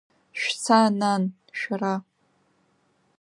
Шәца, нан, шәара…